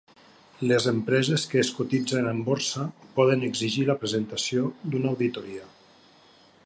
Les empreses que es cotitzen en borsa poden exigir la presentació d'una auditoria.